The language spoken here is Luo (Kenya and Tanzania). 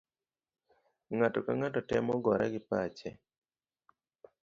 Ng'ato kang'ato temo gore gi pache.